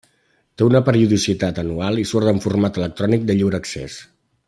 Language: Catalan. Té una periodicitat anual i surt en format electrònic de lliure accés.